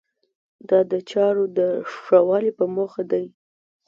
دا د چارو د ښه والي په موخه دی.